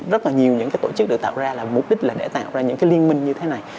rất là nhiều những cái tổ chức được tạo ra là mục đích là để tạo ra những cái liên minh như thế này